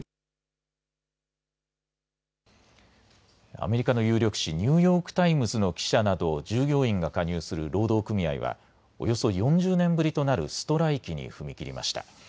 アメリカの有力紙、ニューヨーク・タイムズの記者など従業員が加入する労働組合はおよそ４０年ぶりとなるストライキに踏み切りました。